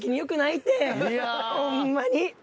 ホンマに。